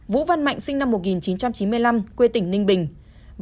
vũ văn mạnh sinh năm một nghìn chín trăm chín mươi năm quê tỉnh ninh bình